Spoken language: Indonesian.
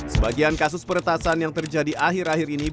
sebagian kasus peretasan yang terjadi akhirnya